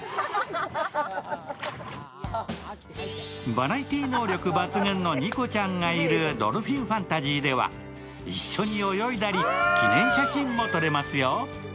バラエティー能力抜群のニコちゃんがいるＤｏｌｐｈｉｎｆａｎｔａｓｙでは、一緒に泳いだり、記念写真も撮れますよ。